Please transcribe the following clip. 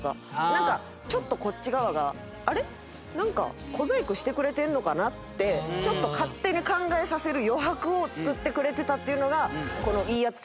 なんかちょっとこっち側が「あれっ？なんか小細工してくれてるのかな？」ってちょっと勝手に考えさせる余白を作ってくれてたっていうのがこの。